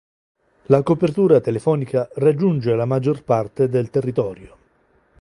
La copertura telefonica raggiunge la maggior parte del territorio.